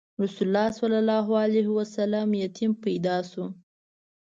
رسول الله ﷺ یتیم پیدا شو.